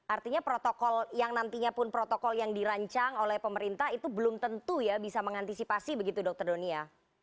artinya protokol yang nantinya pun protokol yang dirancang oleh pemerintah itu belum tentu ya bisa mengantisipasi begitu dokter doni ya